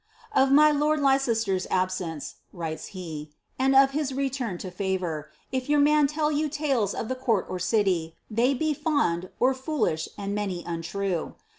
^ Of my lord of Leicester's absence,'^ writes he, ^ and of his return to favour, if your man tell you tales of the court or city, they be fond ^foolish), and many untrue.